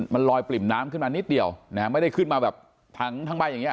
มันลอยปริ่มน้ำขึ้นมานิดเดียวนะฮะไม่ได้ขึ้นมาแบบถังทั้งใบอย่างเง